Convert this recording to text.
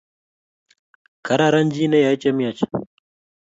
Kararan jii neyae chemyach